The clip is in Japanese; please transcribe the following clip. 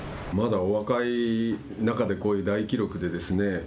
まだ、お若い中でこういう大記録でですね